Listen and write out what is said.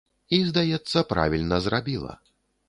І, здаецца, правільна зрабіла.